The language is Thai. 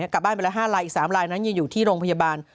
กลับบ้านไปแล้ว๕ลายอีก๓ลายนั้นยังอยู่ที่โรงพยาบาล